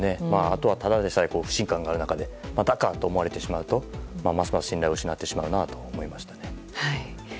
あとは、ただでさえ不信感がある中でまたかと思われてしまうとますます信頼を失ってしまうと思いました。